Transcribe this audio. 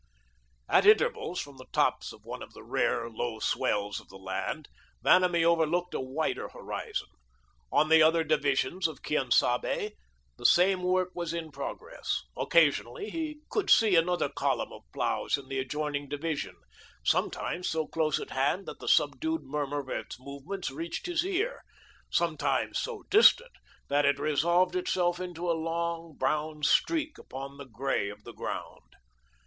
At intervals, from the tops of one of the rare, low swells of the land, Vanamee overlooked a wider horizon. On the other divisions of Quien Sabe the same work was in progress. Occasionally he could see another column of ploughs in the adjoining division sometimes so close at hand that the subdued murmur of its movements reached his ear; sometimes so distant that it resolved itself into a long, brown streak upon the grey of the ground.